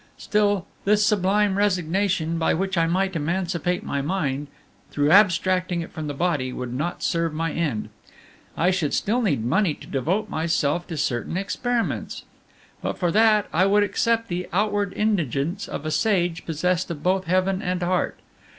Still, this sublime resignation, by which I might emancipate my mind, through abstracting it from the body, would not serve my end. I should still need money to devote myself to certain experiments. But for that, I would accept the outward indigence of a sage possessed of both heaven and heart.